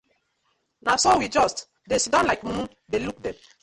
Na so we just dey siddon like mumu dey look dem.